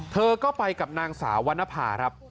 เธอก็ไปกับนางสาววรรณภาครับ